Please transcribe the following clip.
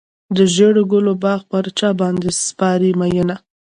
د ژړو ګلو باغ پر چا باندې سپارې مینه.